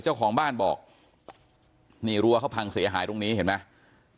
เจ้าของบ้านบอกนี่รั้วเขาพังเสียหายตรงนี้เห็นไหม